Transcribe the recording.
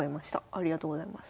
ありがとうございます。